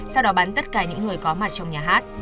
sau đó bắn tất cả những người có mặt trong nhà hát